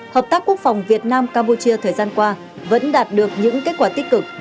hợp tác quốc phòng việt nam campuchia thời gian qua vẫn đạt được những kết quả tích cực